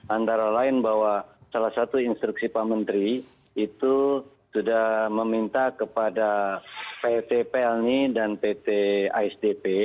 antara lain bahwa salah satu instruksi pak menteri itu sudah meminta kepada pt plni dan pt asdp